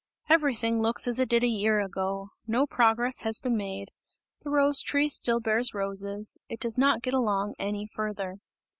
"Everything looks as it did a year ago! No progress has been made; the rose tree still bears roses; it does not get along any farther!"